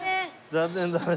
残念だね。